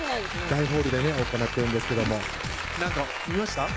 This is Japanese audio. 大ホールでね行ってるんですけどもなんか見ました？